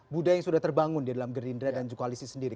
budaya yang sudah terbangun di dalam gerindra dan juga koalisi sendiri